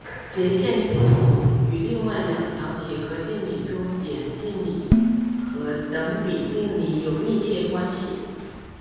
截线定理与另外两条几何定理中点定理和等比定理有密切关系。